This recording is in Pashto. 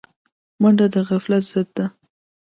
منډه د غفلت ضد ده